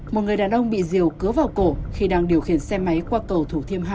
một người đàn ông bị diều cứa vào cổ khi đang điều khiển xe máy qua cầu thủ thiêm hai